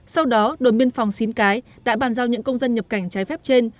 sau đó đồn biên phòng xín cái đã bàn giao những công dân nhập cảnh trái phép trên